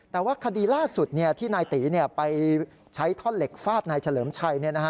แต่ว่าคดีล่าสุดที่นายตีไปใช้ท่อนเหล็กฟาดนายเฉลิมชัย